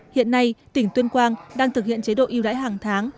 hiện nay tỉnh tuyên quang đang thực hiện chế độ yêu đãi hàng tháng